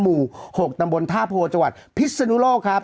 หมู่๖ตำบลท่าโพจังหวัดพิศนุโลกครับ